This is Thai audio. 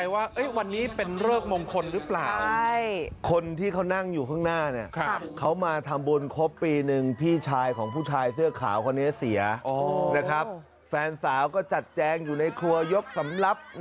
วันนี้เป็นเริ่มมงคลหรือเปล่า